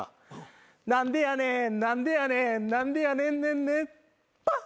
「何でやねん何でやねん何でやねんねんねん」パッ。